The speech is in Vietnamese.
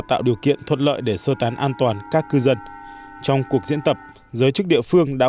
tạo điều kiện thuận lợi để sơ tán an toàn các cư dân trong cuộc diễn tập giới chức địa phương đã